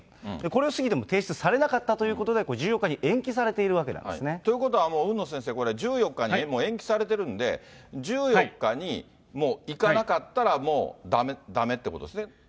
これを過ぎても提出されなかったということで、１４日に延期されということは、海野先生、これ１４日に延期されてるんで、１４日にもう行かなかったらもうだめってことですね。